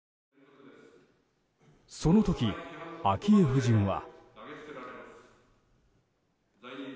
その時、昭恵夫人は。